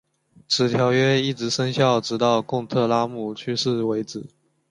此条约一直生效直到贡特拉姆去世为止。